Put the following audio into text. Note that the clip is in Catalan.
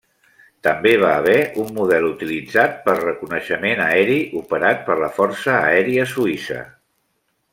També va haver un model utilitzat per reconeixement aeri operat per la Força Aèria Suïssa.